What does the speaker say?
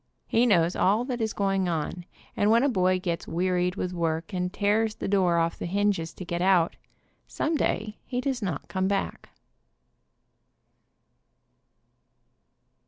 He knows all that is going on, and when a boy gets wearied with work, and tears the doors off the hinges to get out, some day he does not come back.